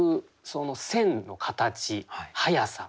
その線の形速さ。